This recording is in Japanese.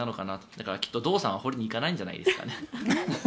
だからきっと堂さんは掘りに行かないんじゃないですかね。